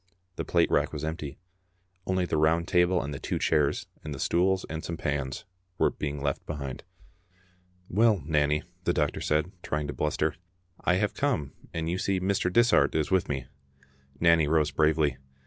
The plate rack was empty. Only the round table and the two chairs, and the stools and some pans were being left behind. " Well, Nanny," the doctor said, trying to bluster, " I have come, and you see Mr. Dishart is with me." Nanny rose bravely.